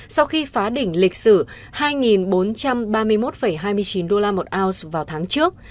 sau khi phá đỉnh lịch sử hai bốn trăm ba mươi một hai mươi chín đô la một ounce vào tháng trước